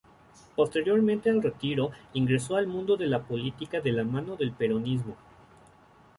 Posteriormente al retiro, ingresó al mundo de la política de la mano del Peronismo.